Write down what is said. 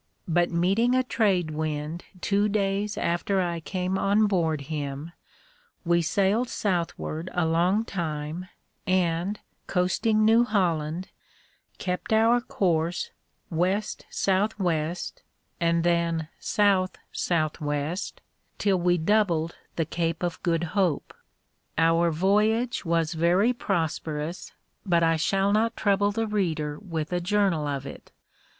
But meeting a trade wind two days after I came on board him, we sailed southward a long time, and, coasting New Holland, kept our course west southwest, and then south southwest, till we doubled the Cape of Good Hope. Our voyage was very prosperous, but I shall not trouble the reader with a journal of it.